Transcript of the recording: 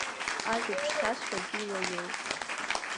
Ажәабжь сазҳәаз Иуа иоуп.